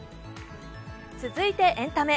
続いてエンタメ。